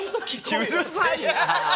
うるさいな！